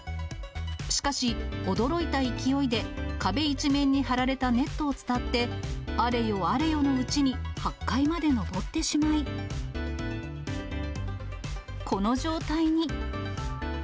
しかし、驚いた勢いで壁一面に張られたネットを伝って、あれよあれよのうちに、８階まで上ってしまい、この状態に。